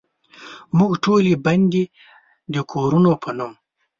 موږ ټولې بندې دکورونو په نوم،